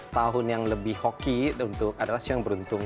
tahun yang lebih hoki untuk adalah sio yang beruntung